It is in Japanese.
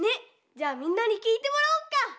じゃあみんなにきいてもらおうか！